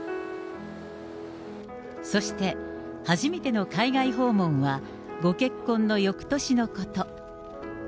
そして、初めての海外訪問はご結婚のよくとしのこと。